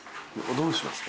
どうします？